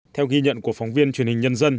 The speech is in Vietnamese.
theo ghi nhận của phóng viên truyền hình nhân dân